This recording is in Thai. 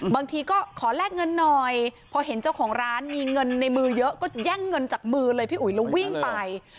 บางทีก็ขอแลกเงินหน่อยพอเห็นเจ้าของร้านมีเงินในมือเยอะก็แย่งเงินจากมือเลยพี่อุ๋ยแล้ววิ่งไป